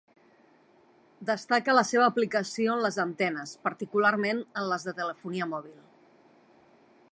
Destaca la seva aplicació en les antenes, particularment en les de telefonia mòbil.